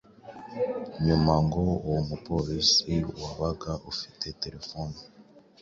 Nyuma ngo uwo mupolisi wabaga ufite telephone